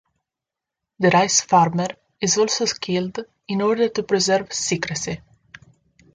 The rice farmer is also killed in order to preserve secrecy.